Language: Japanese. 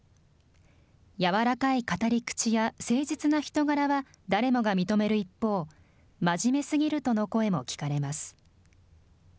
柔らかい語り口や、誠実な人柄は、誰もが認める一方、真面目すぎるとの声も聞かれます。